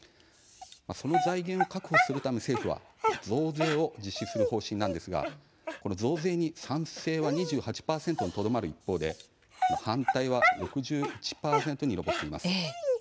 その財源を確保するため政府は増税を実施する方針なんですがこの増税に「賛成」は２８％にとどまる一方で「反対」は６１％に上っています。